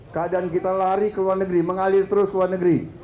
keadaan kita lari ke luar negeri mengalir terus ke luar negeri